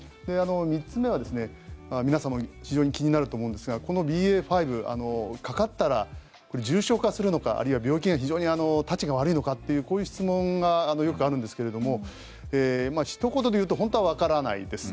３つ目は、皆さんも非常に気になると思うんですがこのＢＡ．５かかったら重症化するのかあるいは病気が非常にたちが悪いのかってこういう質問がよくあるんですがひと言で言うと本当にわからないです。